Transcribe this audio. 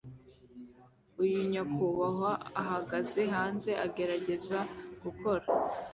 Uyu nyakubahwa ahagaze hanze agerageza gukora